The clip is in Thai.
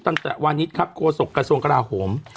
ตั้งแต่วันนี้ครับโฆษกระทรวงกราโหม